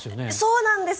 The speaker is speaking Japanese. そうなんです。